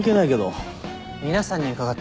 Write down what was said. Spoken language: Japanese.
皆さんに伺ってるんで。